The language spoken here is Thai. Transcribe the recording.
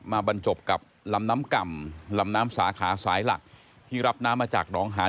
บรรจบกับลำน้ำก่ำลำน้ำสาขาสายหลักที่รับน้ำมาจากหนองหาน